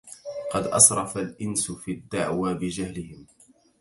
قد أسرف الإنس في الدعوى بجهلهم